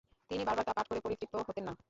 তিনি বারবার তা পাঠ করে পরিতৃপ্ত হতেন না।